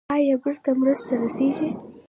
آیا بیړنۍ مرستې رسیږي؟